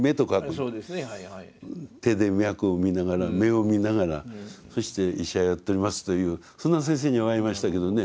手で脈を見ながら目を見ながらそして医者をやっておりますというそんな先生に会いましたけどね。